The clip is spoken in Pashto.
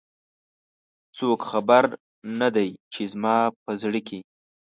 څوک خبر نه د ی، چې زما په زړه کې